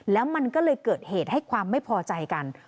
แล้วมันก็เลยเกิดเหตุให้ความไม่พอใจกัน